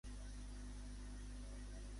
Qui és el nou ministre de Justícia?